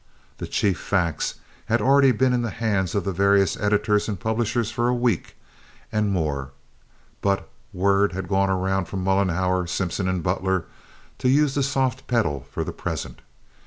The chief facts had already been in the hands of the various editors and publishers for a week and more, but word had gone around from Mollenhauer, Simpson, and Butler to use the soft pedal for the present.